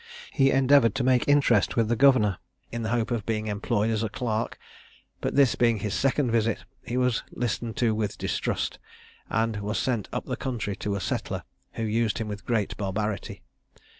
He endeavoured to make interest with the governor, in the hope of being employed as a clerk; but this being his second visit, he was listened to with distrust, and was sent up the country to a settler, who used him with great barbarity.